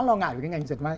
lo ngại về cái ngành dệt may